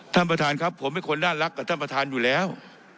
ท่านประธานครับผมเป็นคนน่ารักกับท่านประธานอยู่แล้ว